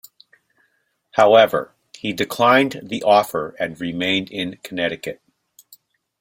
However, he declined the offer and remained in Connecticut.